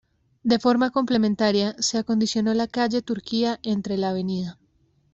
De forma complementaria, se acondicionó la calle Turquía, entre la Av.